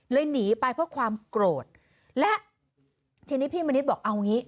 หนีไปเพราะความโกรธและทีนี้พี่มณิษฐ์บอกเอางี้